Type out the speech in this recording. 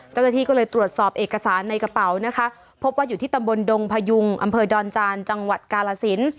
เจ้าหน้าที่ก็เลยตรวจสอบเอกสารในกระเป๋านะคะพบว่าอยู่ที่ตำบลดงพยุงอำเภอดอนจานจังหวัดกาลสิน